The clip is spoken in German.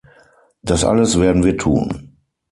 Das alles werden wir tun.